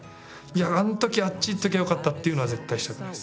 いやあん時あっち行っときゃよかったっていうのは絶対したくないです。